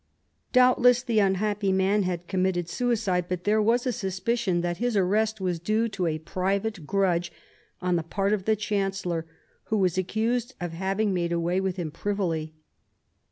Doubtless the unhappy man had committed suicide, but there was a suspicion that VIII WOLSEY'S DOMESTIC POLICY' 137 his arrest was due to a private grudge on the part of the chancellor, who was accused of having made away with him privily.